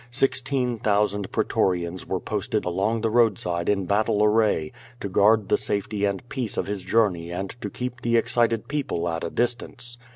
Sixteen thousand pretorians were posted along the roadside in battle array, to guard the safety and peace of his journey and to keep the excited people at a distance.